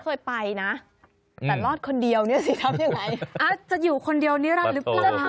เคยไปนะแต่รอดคนเดียวเนี่ยสิทำยังไงอาจจะอยู่คนเดียวนิรันดิ์หรือเปล่า